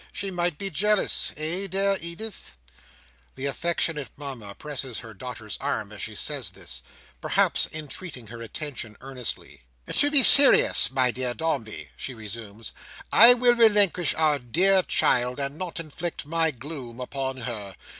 She might be jealous. Eh, dear Edith?" The affectionate Mama presses her daughter's arm, as she says this; perhaps entreating her attention earnestly. "To be serious, my dear Dombey," she resumes, "I will relinquish our dear child, and not inflict my gloom upon her.